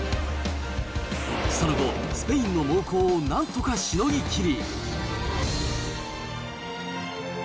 その後、スペインの猛攻をなんとかしのぎきり。